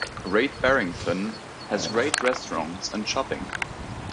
Great Barrington has great restaurants and shopping.